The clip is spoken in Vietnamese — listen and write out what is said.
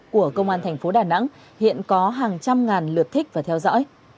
của công an tp đà nẵng hiện có hàng trăm ngàn lượt thích và theo dõi